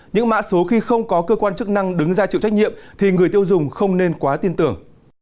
những mã số khi không có cơ quan chức năng đứng ra chịu trách nhiệm thì người tiêu dùng không nên quá tin tưởng